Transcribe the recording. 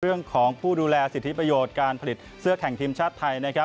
เรื่องของผู้ดูแลสิทธิประโยชน์การผลิตเสื้อแข่งทีมชาติไทยนะครับ